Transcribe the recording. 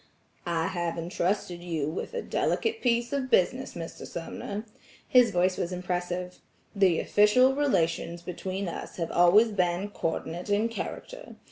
"I have intrusted you with a delicate piece of business, Mr. Sumner." His voice was impressive. "The official relations between us have always been coordinate in character.